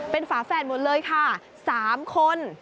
เป็นฝาแฝดหมดเลยค่ะ๓คน